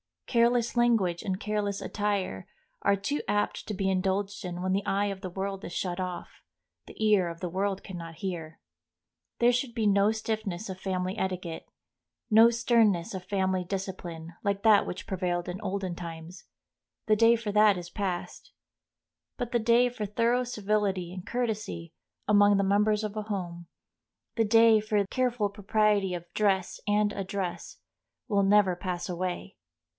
Careless language and careless attire are too apt to be indulged in when the eye of the world is shut off, the ear of the world can not hear. There should be no stiffness of family etiquette, no sternness of family discipline, like that which prevailed in olden times—the day for that is passed. But the day for thorough civility and courtesy among the members of a home, the day for careful propriety of dress and address, will never pass away.